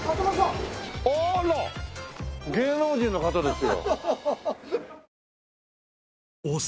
芸能人の方ですよ。